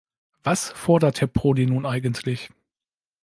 Was fordert Herr Prodi nun eigentlich?